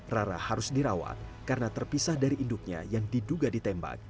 rara harus dirawat karena terpisah dari induknya yang diduga ditembak